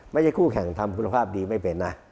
ไม่ใช่คู่แข่งทำคุณภาพดีไม่เป็นนะ